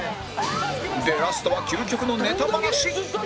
ラストは究極のネタバラシ！